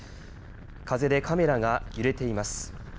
風でカメラが揺れています。